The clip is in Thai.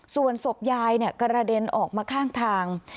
ส่วนศพยายกระเด็นออกมาข้างทาง